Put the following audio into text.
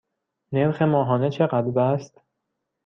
نرخ ماهانه چقدر است؟